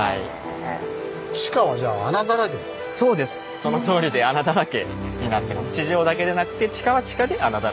そのとおりで穴だらけになってます。